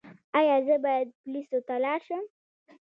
ایا زه باید پولیسو ته لاړ شم؟